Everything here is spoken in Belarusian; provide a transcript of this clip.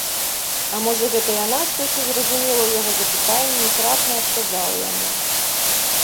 А можа гэта яна штосьці зразумела ў яго запытанні і трапна адказала яму.